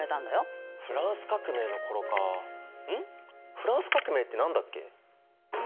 フランス革命って何だっけ？